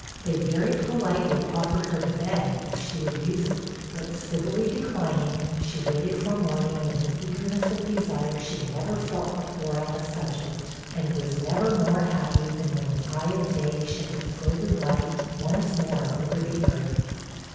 They very politely offered her the bed, if she would use it; but civilly declining, she waited for morning with an eagerness of desire she never felt before on the subject, and was never more happy than when the eye of day shed its golden light once more over the earth.